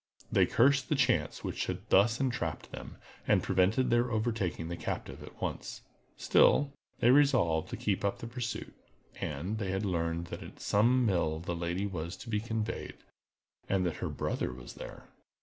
They cursed the chance which had thus entrapped them, and prevented their overtaking the captive at once. Still, they resolved to keep up the pursuit, and they had learned that at some mill the lady was to be conveyed, and that her brother was there.